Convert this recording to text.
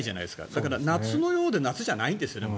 だから夏のようで夏じゃないんですよね。